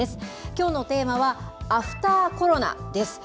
きょうのテーマは、アフターコロナです。